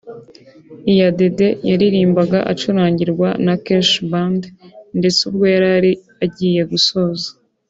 Iyadede yaririmbaga acurangirwa na Kesho Band ndetse ubwo yari agiye gusoza